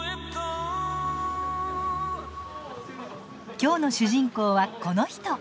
今日の主人公はこの人。